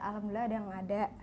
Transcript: alhamdulillah ada yang ada